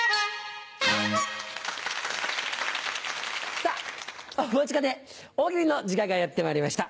さぁお待ちかね「大喜利」の時間がやってまいりました。